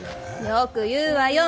よく言うわよ。